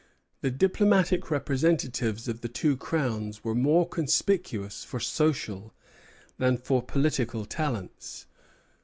The diplomatic representatives of the two Crowns were more conspicuous for social than for political talents.